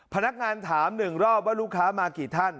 พนักงานถาม๑รอบว่าลูกค้ามากี่ท่าน